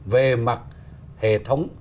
về mặt hệ thống